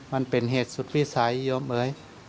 มันเป็นเหตุสุดวิสัยโยมเอ๋ย